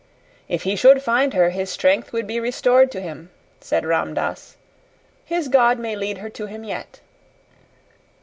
"If he should find her his strength would be restored to him," said Ram Dass. "His God may lead her to him yet."